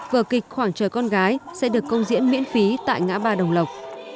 vở kịch khoảng trời con gái sẽ được công diễn miễn phí tại ngã ba đồng lộc